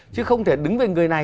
chứ không thể đứng về người này